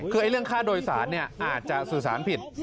คือเรื่องค่าโดยสารอาจจะสื่อสารผิด